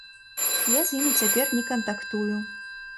Я з імі цяпер не кантактую.